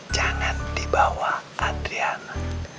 jangan dibawa adriana